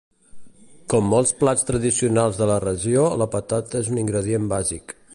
Com molts plats tradicionals de la regió, la patata és un ingredient bàsic.